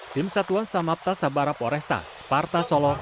tim satuan samapta sabara poresta separta solo